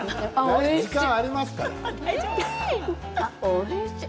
おいしい！